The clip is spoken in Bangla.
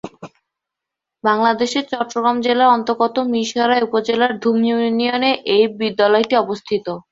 বাংলাদেশের চট্টগ্রাম জেলার অন্তর্গত মীরসরাই উপজেলার ধুম ইউনিয়নে এ বিদ্যালয়টি অবস্থিত।